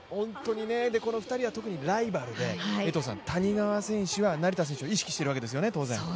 この２人は特にライバルで谷川選手は、成田選手を意識しているわけですよね、当然。